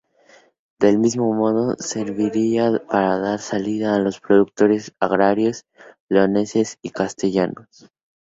Del mismo modo, serviría para dar salida a los productos agrarios leoneses y castellanos.